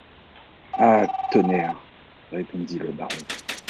À tonner?... répondit le baron.